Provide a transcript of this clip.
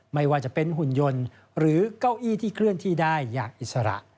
ไม่ว่าจะเป็นหุ่นยนต์หรือเก้าอี้ที่เคลื่อนที่ได้อย่างอิสระ